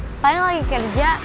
papanya lagi kerja